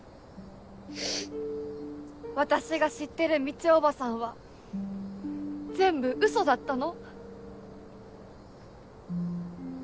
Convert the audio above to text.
私が知ってる美智叔母さんは全部うそだったの？